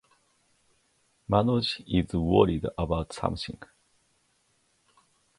Manoj is worried about something.